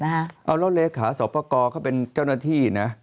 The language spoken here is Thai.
เอาแล้วเลขาสอบประกอบเขาเป็นเจ้าหน้าที่นะ